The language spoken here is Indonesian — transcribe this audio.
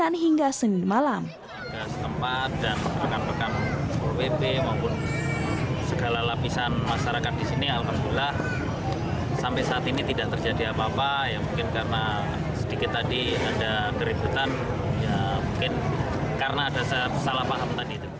dan melakukan pengamanan hingga senin malam